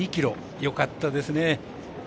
よかったですね。